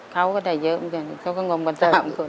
เค้าก็ได้เยอะเหมือนกันเค้าก็งมกว่าเธอ